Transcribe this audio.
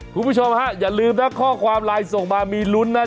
คุณผู้ชมฮะอย่าลืมนะข้อความไลน์ส่งมามีลุ้นนะ